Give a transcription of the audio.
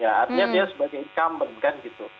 artinya dia sebagai incumbent kan gitu